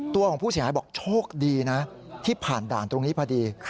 ตัวของผู้เสียหายบอกโชคดีนะที่ผ่านด่านตรงนี้พอดี